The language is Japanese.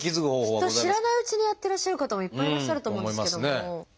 知らないうちにやってらっしゃる方もいっぱいいらっしゃると思うんですけども。